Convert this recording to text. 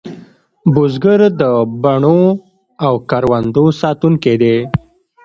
بزګر د بڼو او کروندو ساتونکی دی